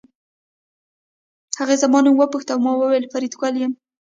هغې زما نوم وپوښت او ما وویل فریدګل یم